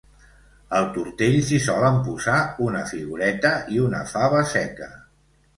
Al tortell s'hi solen posar una figureta i una fava seca.